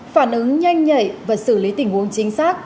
phản ứng nhanh nhạy và xử lý tình huống chính xác